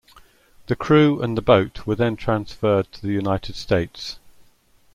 The Crew and the boat were then transferred to the United States.